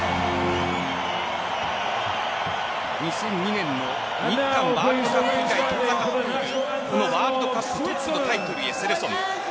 ２００２年の日韓ワールドカップ以来このワールドカップのタイトルへセレソン。